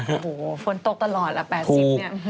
โอ้โหฝนตกตลอดละ๘๐เนี่ย